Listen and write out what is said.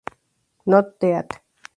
Not Dead.